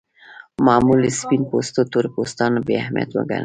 معمول سپین پوستو تور پوستان بې اهمیت وګڼل.